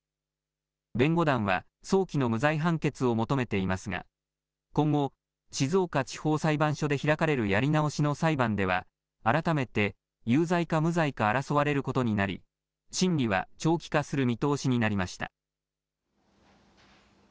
弁護団は早期の無罪判決を求めていますが、今後、静岡地方裁判所で開かれるやり直しの裁判では、改めて有罪か無罪か争われることになり、審理は長期化する見通しになりました。